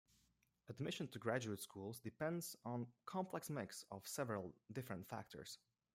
Admission to graduate schools depends on a complex mix of several different factors.